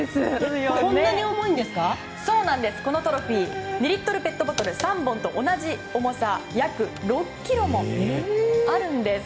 このトロフィーは２リットルペットボトル３本と同じ重さ約６ｋｇもあるんです。